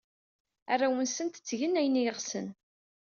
Arraw-nsent ttgen ayen ay ɣsen.